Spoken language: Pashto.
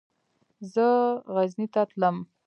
زه غزني ته تلم.